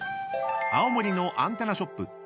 ［青森のアンテナショップ